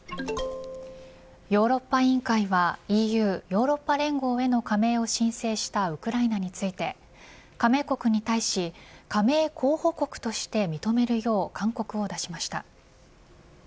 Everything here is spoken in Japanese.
ヨーロッパ委員会はＥＵヨーロッパ連合への加盟を申請したウクライナについて加盟国に対し加盟候補国として認めるよう勧告を出しました。